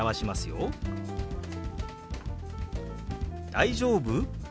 「大丈夫？」。